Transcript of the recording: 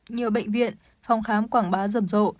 nhiều bệnh viện phòng khám quảng bá rập rộ